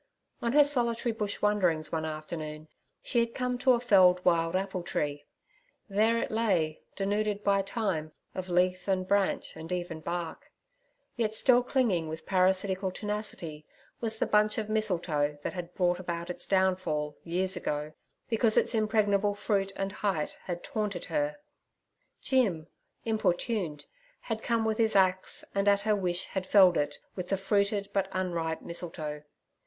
On her solitary bush wanderings one afternoon she had come to a felled wild apple tree. There it lay, denuded by time of leaf and branch and even bark; yet still clinging with parasitical tenacity was the bunch of mistletoe that had brought about its downfall years ago, because its impregnable fruit and height had taunted her. Jim, importuned, had come with his axe and at her wish had felled it with the fruited but unripe mistletoe.